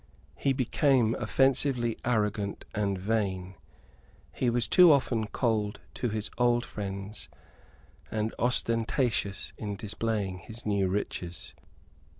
He became offensively arrogant and vain. He was too often cold to his old friends, and ostentatious in displaying his new riches.